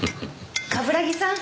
冠城さん。